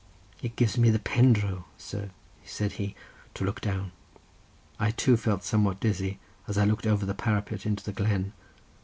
"It gives me the pendro, sir," said he, "to look down." I too felt somewhat dizzy, as I looked over the parapet into the glen.